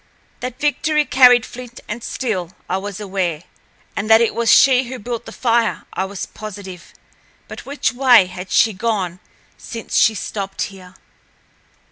That Victory carried flint and steel I was aware, and that it was she who built the fire I was positive. But which way had she gone since she stopped here?